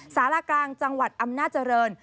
สารากลางจังหวัดอำนาจริง